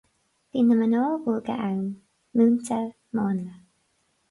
Bhí na mná óga ann múinte mánla